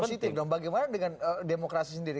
jadi positif dong bagaimana dengan demokrasi sendiri